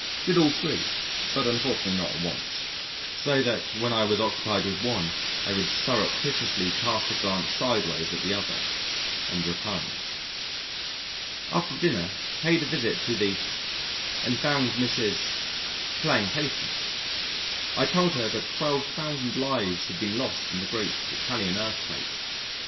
Did all three but unfortunately not at once, so that when I was occupied with one I would surreptitiously cast a glance sideways at the other and repined. After dinner, paid a visit to the and found Mrs. playing Patience. I told her that 12,000 lives had been lost in the great Italian earthquake.